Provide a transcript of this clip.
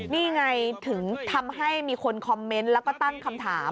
นี่ไงถึงทำให้มีคนคอมเมนต์แล้วก็ตั้งคำถาม